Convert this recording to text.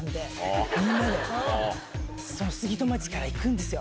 杉戸町から行くんですよ